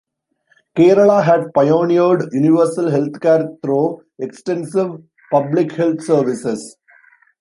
Kerala had pioneered Universal health care through extensive public health services.